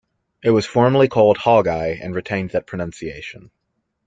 It was formerly called "Hog-Eye" and retained that pronunciation.